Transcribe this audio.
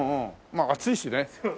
まあ暑いしね。